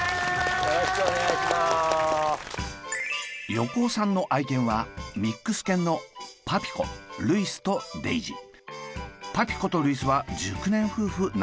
横尾さんの愛犬はミックス犬のパピコとルイスは熟年夫婦なんだとか。